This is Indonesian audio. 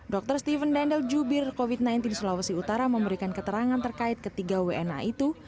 dr steven dendel jubir covid sembilan belas sulawesi utara memberikan keterangan terkait ketiga wna itu